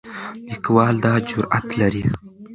لیکوال دا جرئت لري.